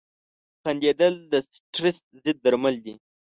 • خندېدل د سټرېس ضد درمل دي.